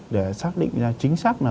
để xác định ra chính xác là